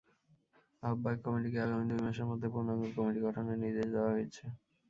আহ্বায়ক কমিটিকে আগামী দুই মাসের মধ্যে পূর্ণাঙ্গ কমিটি গঠনের নির্দেশ দেওয়া হয়েছে।